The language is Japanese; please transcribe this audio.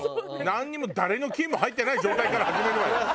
なんにも誰の菌も入ってない状態から始めるわよ。